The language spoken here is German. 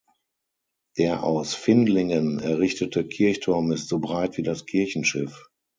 Der aus Findlingen errichtete Kirchturm ist so breit wie das Kirchenschiff.